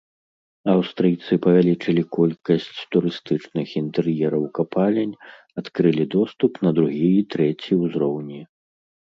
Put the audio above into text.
Аўстрыйцы павялічылі колькасць турыстычных інтэр'ераў капалень, адкрылі доступ на другі і трэці ўзроўні.